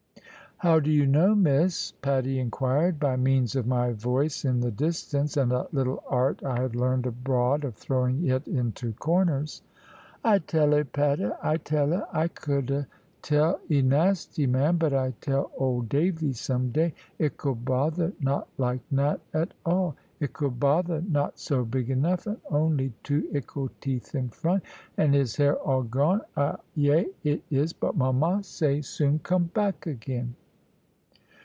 "How do you know, Miss?" Patty inquired by means of my voice in the distance, and a little art I had learned abroad of throwing it into corners. "I tell 'a, Patty, I tell 'a. I 'ouldn't tell 'e nasty man, but I tell old Davy some day. Ickle bother not like nat at all. Ickle bother not so big enough, and only two ickle teeth in front, and his hair all gone ayay it is, but mama say soon come back again."